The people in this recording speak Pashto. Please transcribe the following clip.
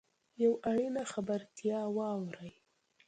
یوه اړینه خبرتیا واورﺉ .